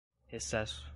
recesso